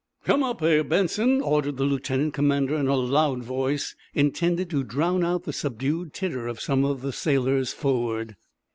"Come up here, Benson," ordered the lieutenant commander, in a loud voice intended to drown out the subdued titter of some of the sailors forward.